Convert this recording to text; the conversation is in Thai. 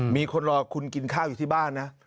มีคนรอคุณกินข้าวอยู่ที่บ้านนะ